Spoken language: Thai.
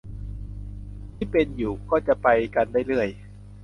ที่เป็นอยู่ก็จะไปกันได้เรื่อย